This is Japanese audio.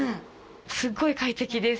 すっごい快適です。